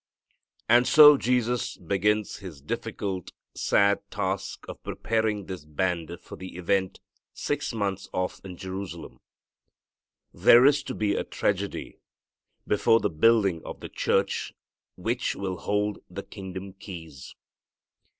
And so Jesus begins His difficult, sad task of preparing this band for the event six months off in Jerusalem. There is to be a tragedy before the building of the church which will hold the kingdom keys.